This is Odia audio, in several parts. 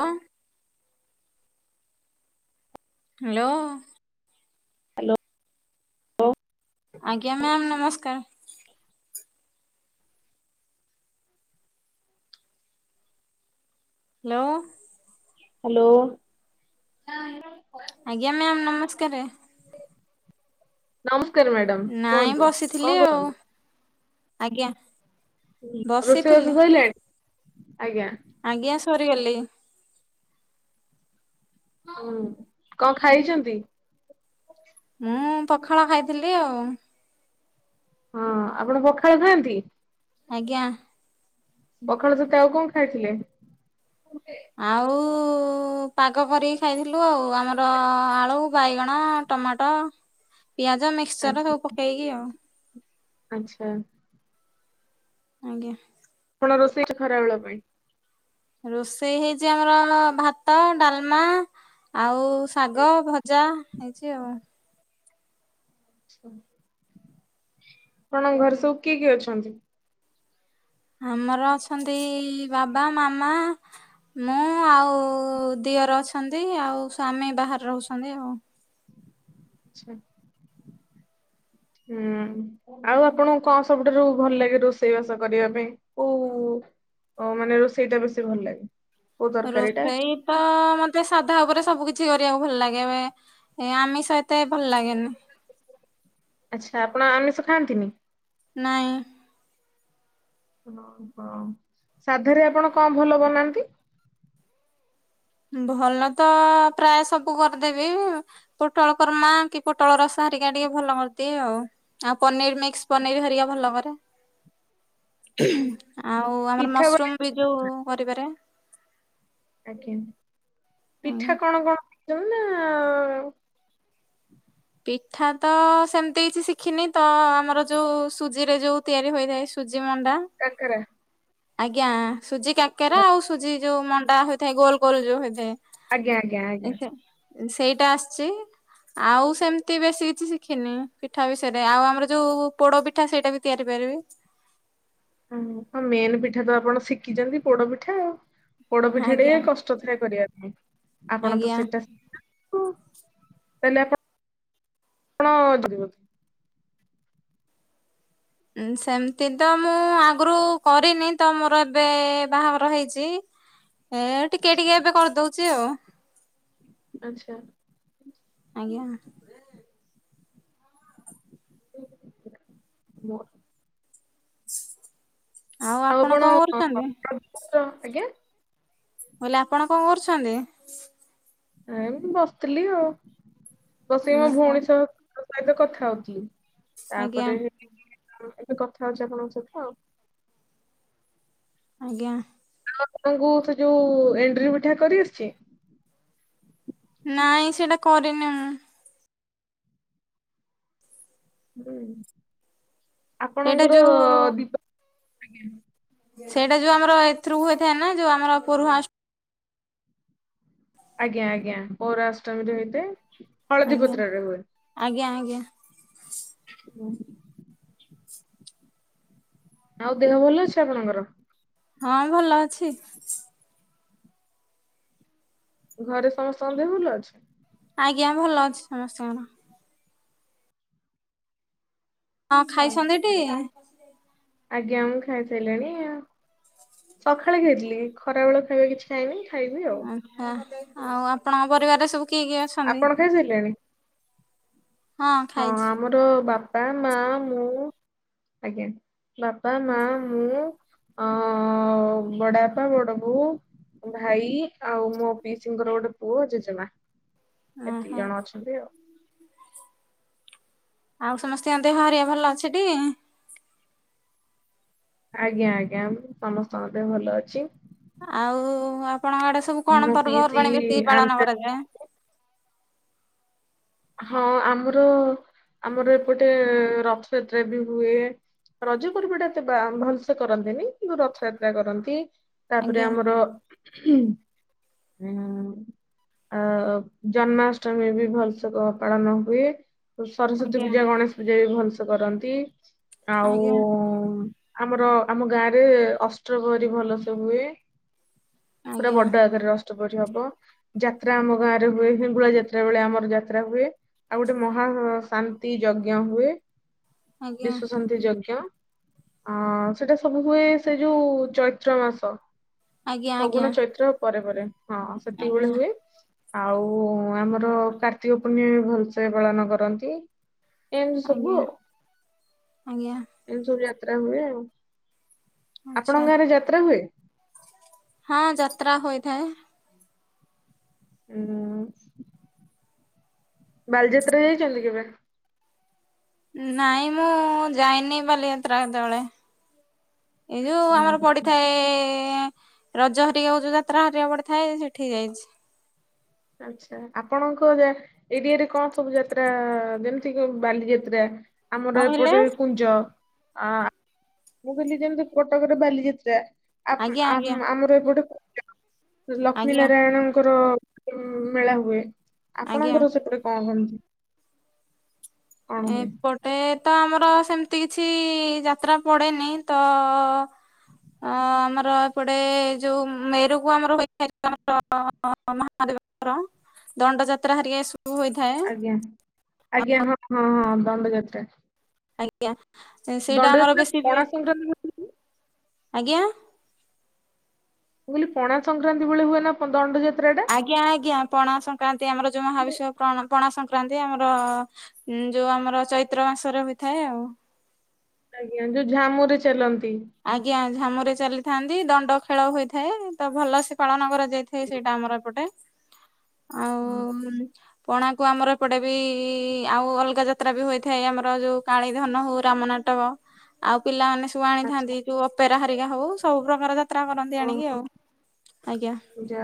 ହ ହ୍ୟାଲୋ ହ୍ୟାଲୋ ଆଜ୍ଞା ମ୍ୟାମ୍ ନମସ୍କାର ହ୍ୟାଲୋ ହ୍ୟାଲୋ ଆଜ୍ଞା ମ୍ୟାାମ ନମସ୍କାର। ନମସ୍କାର ମ୍ୟାଡ଼ମ୍। ନାଇଁ ବସିଥିଲି ଆଉ, ଆଜ୍ଞା। ରୋଷେଇ ବସିଥିଲି। ବାସ ସରିଲାଣି ଆଜ୍ଞା। ଆଜ୍ଞା ସରିଗଲି। ହୁଁ କଣ ଖାଇଚନ୍ତି? ମୁଁ ପଖାଳ ଖାଇଥିଲି ଆଉ। ହଁ ଆପଣ ପଖାଳ ଖାଆନ୍ତି? ଆଜ୍ଞା। ପଖାଳ ସହିତ ଆଉ କଣ ଖାଇଥିଲେ? ଆଉ ପାଗ କରିକି ଖାଇଥିଲୁ ଆଉ ଆମର ଆଳୁ, ବାଇଗଣ, ଟମାଟ ପିଆଜ ମିକ୍ସଚର ଆଚ୍ଛା ସବୁ ପକେଇକି ଆଉ। ଆଚ୍ଛା। ଆଜ୍ଞା। ଆପଣ ରୋଷେଇ [unintelligible] ଖରା ହେବା ପାଇଁ ରୋଷେଇ ହେଇଛି ଆମର ଭାତ, ଡାଲମା ଆଉ ଶାଗ, ଭଜା, ହେଇଛି ଆଉ। ହ ଆପଣଙ୍କ ଘରେ ସବୁ କିଏ କିଏ ଅଛନ୍ତି? ଆମର ଅଛନ୍ତି ବାବା, ମାମା ମୁଁ ଆଉ ଦିଅର ଅଛନ୍ତି ଆଉ ସ୍ଵାମୀ ବାହାରେ ରହୁଛନ୍ତି ଆଉ। ଆଛା। ହୁଁ। ଆଉ ଆପଣଙ୍କୁ କଣ ସବୁଠାରୁ ଭଲ ଲାଗେ ରୋଷେଇ ବାସ କରିବା ପାଇଁ କୋଉ ଓ ମାନେ ରୋଷେଇ ଟା ବେଶୀ ଭଲ ଲାଗେ। କୋଉ ତରକାରୀ ଟା ରୋଷେଇ ତ ମତେ ସାଧା ଉପରେ ସବୁ କିିଛି କରିବାକୁ ଭଲ ଲାଗେ ଏ ଆମିସ ଏତେ ଭଲ ଲାଗେନି। ଆଚ୍ଛା ଆପଣ ଆମିଷ ଖାଆନ୍ତିନି। ନାଇଁ। ହଁ ହଁ ସାଧାରେ ଆପଣ କଣ ଭଲ ବନାନ୍ତି? ଭଲ ତ ପ୍ରାୟ ସବୁ କରିଦେବି ପୋଟଳକୁରମା କି ପୋଟଳ ରସ ହରିକା ଟିକେ ଭଲ କରିଦିଏ ଆଉ ଆଉ ପନିର ମିକ୍ସ ପନିର ହରିକା ଭଲ କରେ। ଆଛା ଆଉ ଆମର ପିଠା ମାନେ ମସରୁମ ବି ଯୋଉ କରିପାରେ। ଆଜ୍ଞା ଆଜ୍ଞା। ପିଠା କଣ କଣ [unintelligible] ଖିଛନ୍ତି ନା ପିଠା ତ ସେମିତି କିଛି ଶିଖିନି ତ ଆମର ଯୋଉ ସୁଜିରେ ଯୋଉ ତିଆରି ହୋଇଥାଏ ସୁଜି ମଣ୍ଡା କାକରା ଆଜ୍ଞା ସୁଜି କାକେରା ଆଉ ସୁଜି ଯୋଉ ମଣ୍ଡା ଗୋଲ ଗୋଲ ଯୋଉ ହେଉଥାଏ ସେଇଟା ଆସିଛି ଆଉ ଏତେ ବେଶୀ କିଛି ଶିଖିନି ପିଠା ବିଷୟରେ ଆଉ ଆମର ଯୋଉ ପୋଡ ପିଠା ସେଇଟା ବି ତିଆରି ପାରିବି। [unintelligible] ମେନ୍ ପିଠା ତ ଆପଣ ଶିଖିଛନ୍ତି ପୋଡପିଠା ଆଉ ପୋଡପିଠା ଟିକେ ଆଜ୍ଞା କଷ୍ ଷ୍ଟ ଥାଏ କରିବା ପାଇଁ ଆପଣ ତ ଆଜ୍ଞା ସେଟା ତାହେଲେ ଆପଣ ଯିବ ସେମତି ତ ମୁଁ ଆଗରୁ କରିନି ତ ମୋର ଏବେ ବାହାଘର ହେଇଛି। ଏ ଟିକେ ଟିକେ ଏବେ କରିଦଉଛି ଆଉ। ଆଛା। ଆଜ୍ଞା [unintelligible] ଆଉ ଆପଣ [unintelligible] ଆଜ୍ଞା ମୁଁ କହିଲି ଆପଣ କଣ କରୁଛନ୍ତି? ଏ ମୁଁ ବସିଥିଲି ଆଉ ବସିକି ମୋ ଓହୋ ଭଉଣୀ ସହ ତା ସହିତ କଥା ହଉଥିଲି ଆଜ୍ଞା ତାପରେ ଏବେ କଥା ହଉଛି ଆପଣଙ୍କ ସହିତ ଆଉ ଆଜ୍ଞା ଆ ଆପଣଙ୍କୁ ସେ ଯୋଉ ଏଣ୍ଡିରି ମିଠା କରି ଆସିଛି ନାଇଁ ସେଟା କରିନି ମୁଁ ହୁଁ ସେଇଟା ଆପଣଙ୍କର ଯୋଉ ଦିପ ଆ ସେଇଟା ଯୋଉ ଆମର ଏଥିରୁ ହୁଏଥାଏ ନା ଯୋଉ ଆମର ପ [unintelligible] ଆଜ୍ଞା ଆଜ୍ଞା ପୌରାଷ୍ଟମୀରେ ହତ ହଳଦୀ ଆଜ୍ଞା ପତ୍ରରେ ହୁଏ ଆଜ୍ଞା ଆଜ୍ଞା ହୁଁ ଆଉ ଦେହ ଭଲ ଅଛି ଆପଣଙ୍କର ହଁ ଭଲ ଅଛି ଘରେ ସମସ୍ତଙ୍କ ଦେହ ଭଲ ଅଛି ଆଜ୍ଞା ଭଲ ଅଛି ସମସ୍ତଙ୍କର ହଁ ଆଚ୍ଛା। ଖାଇସଛନ୍ତି ଏଠି ଆଜ୍ଞା ମୁଁ ଖାଇସାରିଲାଣି ଆଉ ସକାଳେ ଖାଇଥିଲି ଖରାବେଳ ଖାଇବା କିଛି ନିଁ ଖାଇବି ଆଉ ଆଛା ଆଉ ଆପଣଙ୍କ ପରିବାରରେ ସବୁ କିଏ କିଏ ଅଛି ଆପଣ ଖାଇସାରିଲେଣି ହଁ ଖାଇଛି ଆର ବାପା ମା ମୁଁ ଆଜ୍ଞା ବାପା ମା ମୁଁ ଅ ବଡଆପା ବଡ ବୋଉ ୋ ଭାଇ ଆଉ ମୋ ପି ସିଙ୍କର ଗୋଟେ ପୁଅ ଜେଜେମା ଏତିକି ଓହୋ ଜଣ ଅଛନ୍ତି ଆଉ ଆଉ ସମସ୍ତଙ୍କ ଦେହ ହରିଆ ଭଲ ଅଛଠ ଆଜ୍ଞା ଆଜ୍ଞା ସମସ୍ତ ମତେ ଭଲ ଅଛି ଆଉ ଆପଣଙ୍କ ଆଡେ ସବୁ କଣ ମୋ ପିଇସି ପର୍ବପର୍ବାଣି ବେଶୀ ପାଳନ ଆନ୍ଧ୍ରା କରାଯାଏ ହଁ ଆମର ଆମର ଏପଟେ ରଥଯାତ୍ରା ବି ହୁଏ ରଜ ପର୍ବା ଟା ଏତେ ବା ଭଲସେ କରନ୍ତିନି କିନ୍ତୁ ରଥଯାତ୍ରା କରନ୍ତି ତାପରେ ଆଜ୍ଞା ଆମର ଆ ଜନ୍ମାଷ୍ଟମୀ ବି ଭଲ ଉତ୍ ପାଳନ ହୁଏ ସରସ୍ଵତୀ ଆଜ୍ଞା ପୂଜା ଗଣେଶ ପୂଜା ବି ଭଂସ କରନ୍ତି ଆଉ ଆଜ୍ଞା ଆମର ଆମ ଗାଁ ରେ ଅଷ୍ଟ୍ର ଭରି ଭଲସ ହୁଏ ପୁରା ଆଜ୍ଞା ବଡ ଆଗରେ ରଷ୍ଟ ପରି ହବ ଯାତ୍ରା ଆମ ଗାଁରେ ହୁଏ ହିଙ୍ଗୁଳା ଯାତ୍ରା ବେଳେ ଆମର ଯା ହୁଏ ଆଉ ଗୋଟେ ମହା ଶାନ୍ତି ଯଜ୍ଞ ହୁଏ ଆଜ୍ଞା ବିଶ୍ଵ ଶାନ୍ତି ଯଜଞ ଅ ସେଟା ସବୁ ହୁଏ ସେ ଯୋଉ ଚୈତ୍ର ମାସ ଆଜ୍ଞା ଫଗୁଣ ଆଜ୍ଞା ଚୈତ୍ର ପରେ ପରେ ହଁ ସେତିକି ଭଳେ ଆଜ୍ଞା ହୁଏ ଆଉ ଆମର କାର୍ତ୍ତିକ ପୂର୍ଣ୍ଣିମା ଭଲସେ ପାଳନ କରନ୍ତି ଏମିତି ସବୁ ଆଜ୍ଞା ଆଜ୍ଞା ଏମିତି ସବୁ ଯାତ୍ରା ହୁଏ ଆଉ ଆଚ୍ଛା ଆପଣଙ୍କ ଗାଁରେ ଯାତ୍ରା ହୁଏ ହଁ ଯାତ୍ରା ହୋଇଥାଏ ହୁଁ ବାଲିଯାତ୍ରାରେ ଯାଇଛନ୍ତି କେବେ ନାଇଁ ମୁଁ ଯାଇନି ବାଲିଯାତ୍ରା କେତେବେଳେ ଏଇ ଯୋଉ ଆମର ପଡିଥାଏ ରଜ ହରିକଉ ଯୋଉ ଯାତ୍ରା ହରିବା ପଡେ ଥାଏ ସେଠି ଯାଇଛି ଆଚ୍ଛା ଆପଣଙ୍କ ଯା ଏରିଆରେ କଣ ସବୁ ଯାତ୍ରା ଯେମିତି କି ବାଲିଯାତ୍ରା କଣ ଆମର କହିଲେ ଏପଟେ କୁଞ୍ଜ ଆ ମୁଁ କହିଲି ଯେମିତି କଟକରେ ବାଲିଯାତ୍ରା ଆପ ଆଜ୍ଞା ଆଜ୍ଞା ଆମ ଆମର ଏ ଗୋଟେ ଲକ୍ଷ୍ମୀ ଆଜ୍ଞା ନାରାୟଣଙ୍କର ମେଳା ହୁଏ ଆଜ୍ଞା ଆପଣଙ୍କର ସେପଟ କଣ ହୁନ୍ତି ଏପଟେ ତ ଆମର ସେମତି କିଛି ଯାତ୍ରା ପଡେନି ତ ଅ ଆମର ଏପଟେ ଯୋଉ ମେରୁକୁ ଆମର ହୋଇଥାଇ ଆମର [unintelligible] ମହାଦେବଙ୍କର ଦଣ୍ଡ ଯାତ୍ରା ହାରି ଆଜ୍ଞା ଆଜ୍ଞା ହଁ ହଁ ହଁ ବନ୍ଦଯାତା ଆଜ୍ଞା ସେଇଟା ଆମର ବେଶୀ ବି ପଣା ସଂକ୍ରାନ୍ତି ବେଳେ- ଆଜ୍ଞା ମୁଁ କଇଲି ପଣା ସଂକ୍ରାନ୍ତି ଭଳିଳେ ହୁଏ ନା ଦଣ୍ଡଯାତ୍ରା ଟା ଆଜ୍ଞା ଆଜ୍ଞା ପଣା ସଂକ୍ରାନ୍ତି ଆମର ଯୋଉ ମହାବିଶଵ ପଣା ସଂକ୍ରାନ୍ତି ଆମର ଉଁ ଯୋଉ ଆମର ଚୈତ୍ର ମାସରେ ହୋଇଥାଏ ଆଉ ଆଜ୍ଞା ଯୋଉ ଝାମୁ ରେ ଚାଲନ୍ତି ଆଜ୍ଞା ଝାମୁରେ ଚାଲିଥାନ୍ତି ଦଣ୍ଡ ଖେଳ ହୋଇଥାଏ ତ ଭଲ ସେ ପାଳନ କରାଯାଇଥାଏ ହୁଏ ସେଇଟା ଆମର ଏପଟେ ଆଉ ପଣାକୁ ଆମର ସେପଟେ ବି ଆଉ ଅଲଗା ଯାତ୍ରା ବି ହୋଇଥାଏ ଆମର ଯୋଉ କାଳୀଧନ ହଉ ରାମ ନାଟକ- ଆଉ ପିଲାମାନେ ସବୁ ଆଚ୍ଛା ଆଣିଥାନ୍ତି ଯୋଉ ଅପେରା ହାରିକା ହଉ ସବୁ ପ୍ରକାର ଯାତ୍ରା କରନ୍ତି ଆଣିକି ଆଉ ଆଜ୍ଞା ପୂଜା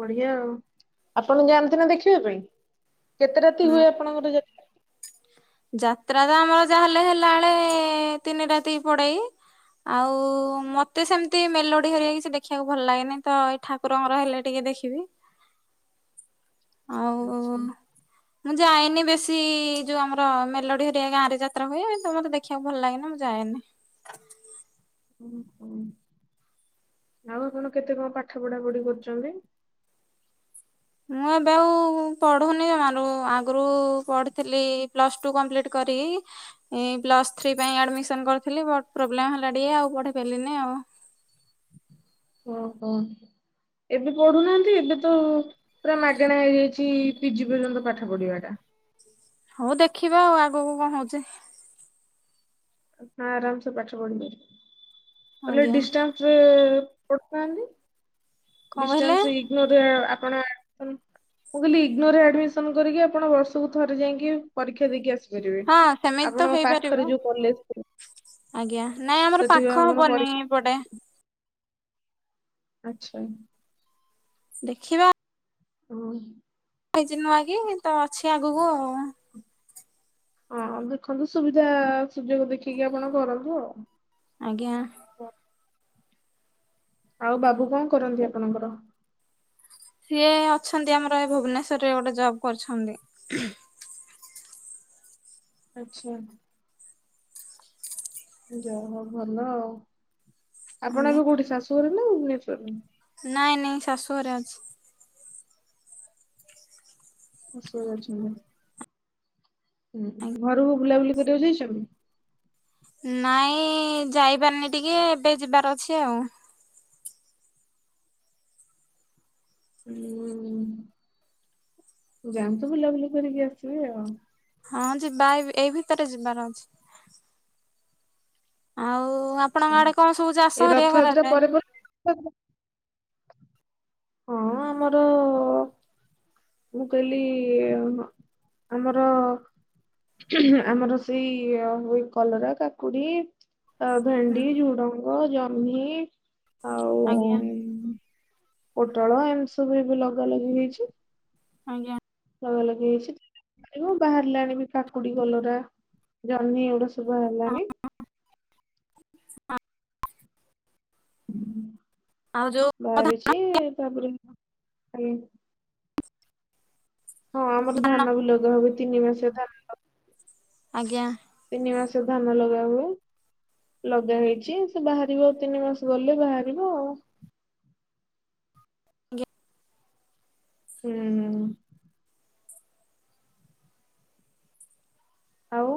ବଢିଆ ଆଉ ଆପଣ ଯାଆନ୍ତି ନା ଦେଖିବା ପାଇଁ କେତେ ରାତି ହୁଁ। ହୁଏ ଆପଣଙ୍କର ଯା ଯାତ୍ରା ତ ଆମର ଯାହାହେଲେ ହେଲା ବଳେ ତିନି ରାତି ପଡେଇ ଆଉ ମତେ ସେମିତି ମେଲୋଡି ହରୀକା କିଛି ଦେଖିବାକୁ ଭଲ ଲାଗେନି ତ ଏଇଠା କୁରଙ୍କର ହେଲେ ଟିକେ ଦେଖିବି ଆଉ ଆଚ୍ଛା ମୁଁ ଯାଇନି ବେଶୀ ଯୋଉ ଆମର ମେଲୋଡି ହେରିଆ ଗାଁ ରେ ଯାତ୍ରା ହୁଏ ମତେ ଦେଖିବାକୁ ଭଲ ଲାଗେନ ମୁଁ ଯାଏନି। ଓ ହ ଆଉ ଆପଣ କେତେ କଣ ପାଠ ପଢା ପଢି କରୁଛନ୍ତି? ମୁଁ ଏବେ ଆଉ ପଢୁନି ତମାରୁ ଆଗରୁ ପଢ଼ିଥିଲି ପ୍ଲସ୍ ଟୁ କମ୍ପ୍ଲିଟ୍ କରି ଏ ପ୍ଲସ ଥ୍ରୀ ପାଇଁ ଆଡମିସନ କରିଥିଲି ବ ପ୍ରୋବ୍ଲେମ ହେଲା ଟିକେ ଆଉ ପଢି ପାରିଲିନି ଆଉ ଓହୋ ଏବେ ପଢୁନାହାନ୍ତି ଏବେ ତ ପୁରା ମାଗଣା ହେଇଯାଇଛି ପିଜି ପର୍ଯ୍ୟନ୍ତ ପାଠ ପଢିବା ଟା ହଉ ଦେଖିବା ଆଉ ଆଗକୁ କଣ ହଉଛି ହ ଆରାମ ସେ ପାଠ ପଢି ପାରିବଲେ ଆଜ୍ଞା ଡିାନ୍ସରେ ପଥାନ୍ତି କଣ କହିଲେ ଡିଶ୍ଟାନସେ ଇଗନୋର ଆପଣ ମୁଁ କାଲି ଇଗନୋରରେ ଆଡମିସନ କରିକି ଆପଣ ବର୍ଷକୁ ଥରେ ଯାଇକି ପରୀକ୍ଷା ଦେଇକି ଆସିବି କରିବେ ହଁ ସେମିତି ତ ଆପଣଙ୍କ ହେଇପାରିବ ପାଖରେ ଯୋଉ କଲେଜ ଆଜ୍ଞା ନାଇଁ ଆମର ସେଠି ପାଖ ଆପଣ ହବନି ଏ ପରୀକ୍ଷା ପଟେ ଆଛା ଦେଖିବା ହୁଁ ହେଇଛି ନୂଆଁ କି ତ ଅଛି ଆଗକୁ ଆଉ ହଁ ଦେଖନ୍ତୁ ସୁବିଧା ସୁଯୋଗ ଦେଖିକି ଆପଣ କରନ୍ତୁ ଆଉ ଆଜ୍ଞା ଆଉ ବାବୁ କଣ କରନ୍ତି ଆପଣଙ୍କର ସିଏ ଅଛନ୍ତି ଆମର ଏ ଭୁବନେଶ୍ୱରରେ ଗୋଟେ ଜବ କରୁଛନ୍ତି ଆଛା ଯାହା ହଉ ଭଲ ଆଉ ଆପଣ ଆଜ୍ଞା ଏବେ କଉଠି ସାଶୁ ଘରେ ନା ଭୁବନେଶ୍ୱରରେ ନାଇଁ ନାଇଁ ଶାଶୁଘରେ ଅଛି ଶାଶୁ ଘରେ ଅଛିନ୍ତି। ହୁଁ ଆଜ୍ଞା। ଘରକୁ ବୁଲାବୁଲି କରିବାକୁ ଯାଇଚନ୍ତି। ନାଇଁ ଯାଇ ପାରିନି ଟିକେ ଏବେ ଯିବାର ଅଛି ଆଉ ହୁଁ ଯାଆନ୍ତୁ ବୁଲାବୁଲି କରିକି ଆସିବେ ଆଉ ହଁ ଯିବା ଏ ଏଇ ଭିତରେ ଯିବାର ଅଛି ଆଉ ହଉ ଆଚ୍ଛା ଆପଣଙ୍କ ଆଡେ କଣ ସବୁ ଏ ଚାଷ ହରିବା ରଥଯାତ୍ରା କରାଯାଏ [unintelligible] ହଁ ଆମର ମୁଁ କହିଲି ଆମର ଆମର ସେଇ ହୁଏ କଲରା, କାକୁଡି। ଆ ଭେଣ୍ଡି, ହୁଁ ଝୁଡଙ୍ଗ, ଜହ୍ନି ଆଉ ଆଜ୍ଞା ଉଁ, ପୋଟଳ ଏମିତି ସବୁ ଏବେ ଲଗା ଲଗି ହେଇଛି ଆଜ୍ଞା ଲଗା ଲଗି ହେଇଛି ବାହାରିଲାଣିି କାକୁଡି, କଲରା, ଜହ୍ନହିଁ ଏଗୁଡା ସବୁ ଶୁଭ ହେଲାଣି ଆଉ ଯୋଉ ବାହାରିଛି ତାପରେ ଆଜ୍ଞା ହଁ ଆମର ଧାନ ବି ଲଗା ହୁଏ ତିନି ମାସେ ଧାନ ଆଜ୍ଞା ତିନି ମାସ ଧାନ ଲଗାହୁଏ ଲଗା ହେଇଛି ସେ ବାହାରିବ ଆଉ ତିନି ମାସ ଗଲେ ବାହାରିବ ଆଉ ଗି ହୁଁଁ ଆଉ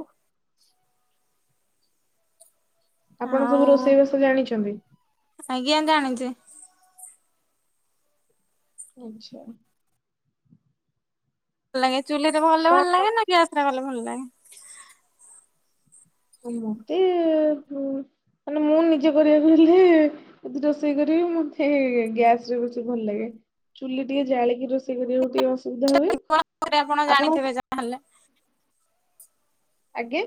ଆପଣ ସବୁ ଆଉ ରୋଷେଇ ଭାଷ ଜାଣିଛନ୍ତି? ଆଜ୍ଞା ଜାଣିଛି ଆଛା ଭଲ ଲାଗେ ଚୁଲିରେ ଭଲେ ଭଲ କଣ ଲାଗେ ନା ଗ୍ୟାସରେ ଗଲେ ଭଲ ଲାଗେ। ମତେ ମାନେ ମୁଁ ନିଜେ କରିବାକୁ ହେଲେ ଯଦି ରୋଷେଇ କରିବି ମତେ ଗ୍ୟାସ ରେ ରୋଷେଇ ଭଲ ଲାଗେ। ଚୁଲି ଟିକେ ଜାଳିକି ରୋଷେଇ କରିବାକୁ ଟିକେ ଅସୁବିଧା ହୁଏ। ପରେ ଆପଣ ଆପଣଙ୍କୁ ଜାଣିଥିବେ ଯାହାହେଲେ ଆଗେଇ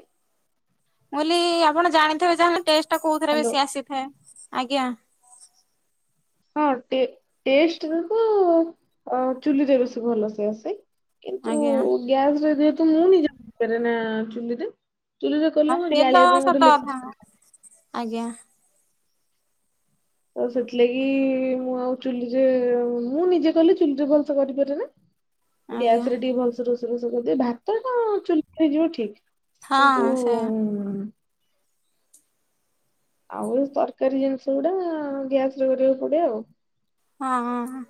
ମୁଁ ବୋଲି ଆପଣ ଜାଣିଥିବେ ଯାହେଲେ ଟେଷ୍ଟ ଟା କୋଉଥିରେ ହ୍ୟାଲୋ ଭଲ ଆସିଥାଏ ଆଜ୍ଞା ହଁ ଟେଷ୍ଟ କୁ ଚୁଲିରେ ରୋଷେଇ ବେଶୀ ଭଲ ସେ ଆସେ କିନ୍ତୁ ଆଜ୍ଞା ଗ୍ୟାସରେ ଯେହେତୁ ମୁ ନିଜେ ଜାଣିପାରେନା ଚୁ୍ଲିିରେ ଚୁଲିରେ ହଁ କଲେ ସେ ତ ଜାଳିବା ପାଇଁ ସତ ଗୋଟେ ଲୋକ କଥା ଦରକାର। ଆଜ୍ଞା। ଆଉ ସେଥିଲାଗି ମୁଁ ଆଉ ଚୁଲିରେ ମୁଁ ନିଜେ କଲେ ଚୁଲିରେ ଭଲସେ କରିପାରେ ନା। [inaudible] ଗ୍ୟାସ ରେ ଟିକେ ଭଲସେ ରୋଷେଇ ଫୋସେଇ କରିଦିଏ ଭାତତ ଚୁଲିରେ ହେଇଯିବ ଠିକ। କିନ୍ତୁ ହଁ ସେଇଆ ଆଉ ତରକାରୀ ଜିନିଷ ଗୁଡା ଗ୍ୟାସ ରେ କରିବାକୁ ପଡେ ଆଉ। ହଁ ହଁ ହ।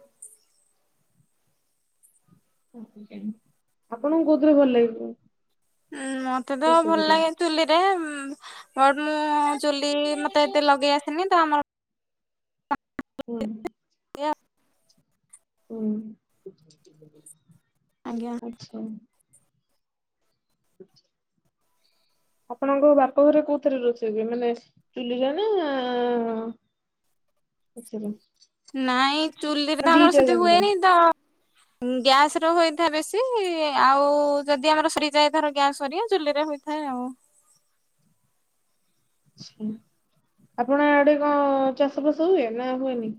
ଆପଣଙ୍କୁ କୋଉଥିରେ ଭଲ ଲାଗିବ? ଉଁ ମତେ ତ ଭଲ ଲାଗେ ଚୁଲିରେ ବଟ ମୁଁ ଚୁଲି ମତେ ଏତେ ଲଗେଇ ଆସିନି ତ ଆମର ହୁଁ। ହୁଁ। ଆଜ୍ଞା। [unintelligible] [inaudible] ଆପଣଙ୍କ ବାପଘରେ କୋଉଥିରେ ରଛି ମାନେ ଚୁଲି ରେ ନା [inaudible] ନାଇଁ ଚୁଲିରେ ନା ତ ଆମର ଦିଟା ସେଠି ଯାକରେ ହୁଏନି ତ ଗ୍ୟାସ ର ହୋଇଥାଏ ବେଶି ଆଉ ଯଦି ଆମର ସରିଯାଇଥର ଗ୍ୟାସ୍ ସ ଚୁଲିରେ ହୋଇଥାଏ ଆଉ। ଛ ଆପଣ ଆଡେ କଣ ଚାଷବାସ ହୁଏ ନା ହୁଏନି?